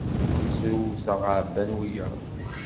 Srewteɣ, ɛabban wiyaḍ.